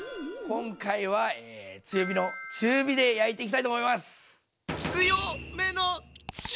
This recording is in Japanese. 今回はで焼いていきたいと思います。